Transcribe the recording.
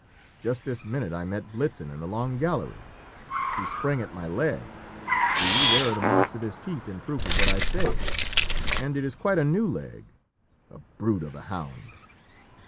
Just this minute I met Blitzen in the long gallery: he sprang at my leg see there are the marks of his teeth in proof of what I say; and it is quite a new leg a brute of a hound!"